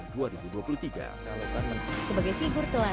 sebagai figur teladan kategori pemberdayaan lingkungan sosial